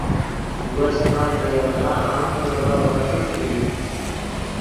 وس ماف ڤے یدغا عام کڑغف غیݰے ݰوئی